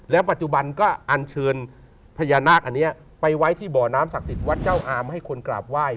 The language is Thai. ปัจจุบันก็อันเชิญพญานาคอันนี้ไปไว้ที่บ่อน้ำศักดิ์สิทธิ์วัดเจ้าอามให้คนกราบไหว้